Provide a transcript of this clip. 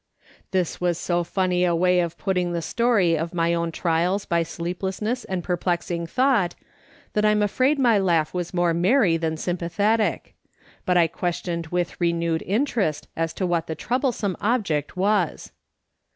This was so funny a way of putting the story of my own trials by sleeplessness and perplexing thought, that I'm afraid my laugh was more merry than sympathetic ; but I questioned with renewed interest as to what the troublesome object was.